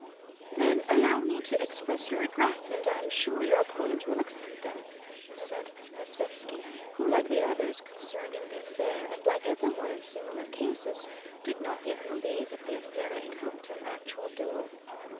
"Then allow me to express your regrets, and I am sure your opponent will accept them," said Nesvítski (who like the others concerned in the affair, and like everyone in similar cases, did not yet believe that the affair had come to an actual duel).